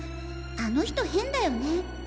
あの人変だよね。